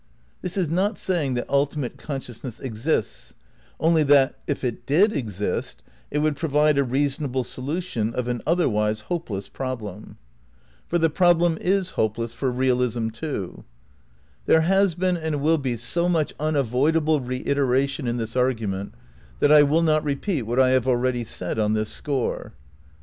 This is not saying that ultimate consciousness exists ; only that if it did exist it would provide a reasonble solution of an otherwise hopeless problem. ' Above : Some Eealist Theories of Perception, pp. 76, 77. 266 THE NEW IDEALISM vm For the problem is hopeless for realism too. There has been and will be so much unavoidable re iteration in this argument that I will not repeat what I have already said on this score.